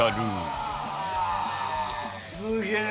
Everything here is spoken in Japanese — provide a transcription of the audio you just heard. すげえ！